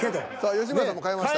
吉村さんも変えました？